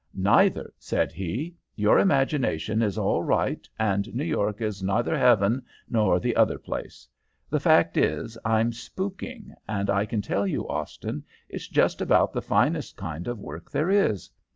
"'Neither,' said he. 'Your imagination is all right, and New York is neither heaven nor the other place. The fact is, I'm spooking, and I can tell you, Austin, it's just about the finest kind of work there is.